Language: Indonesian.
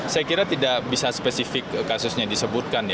saya kira tidak bisa spesifik kasusnya disebutkan ya